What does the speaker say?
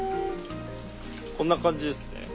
こんな感じですね。